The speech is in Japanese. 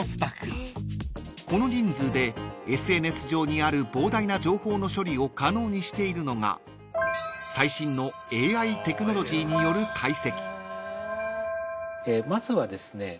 ［この人数でＳＮＳ上にある膨大な情報の処理を可能にしているのが最新のＡＩテクノロジーによる解析］